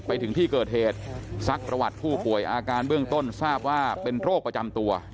ไปถึงที่เกิดเหตุซักประวัติผู้ป่วยอาการเบื้องต้นทราบว่าเป็นโรคประจำตัว